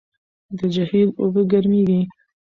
د جهیل اوبه ګرمېږي.